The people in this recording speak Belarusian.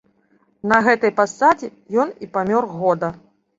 На гэтай пасадзе ён і памёр года.